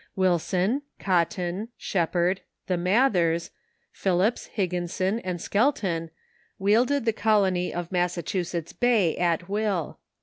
Wilson, Cotton, Shepard, the Mathers, Philips, Higginson, and Skel ton wielded the colony of Massachusetts Bay at will.